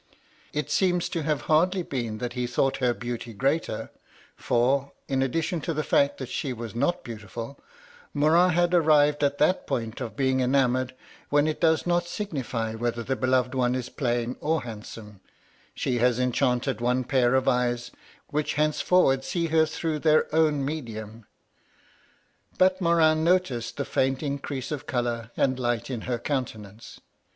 It seems to have hardly been that he thought her beauty greater ; for, in addi tion to the fact that she was not beautifid, Morin bad arrived at that point of being enamoured when it does not signify whether the beloved one is plain or handsome — she has enchanted one pair of eyes, which hencefor ward see her through their own medium. But Morin noticed the faint increase of colour and light in her countenance.